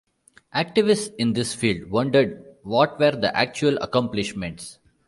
Activists in this field wondered what were the actual accomplishments.